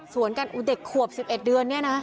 ส่วนกันเด็กขวบ๑๑เดือนนี่นะ